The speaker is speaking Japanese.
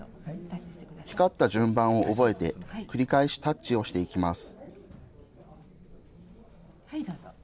光った順番を覚えて、繰り返しタッチをしていきます。